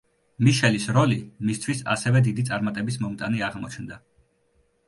მიშელის როლი მისთვის ასევე დიდი წარმატების მომტანი აღმოჩნდა.